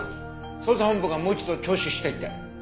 捜査本部がもう一度聴取したいって。